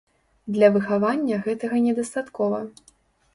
Для выхавання гэтага недастаткова.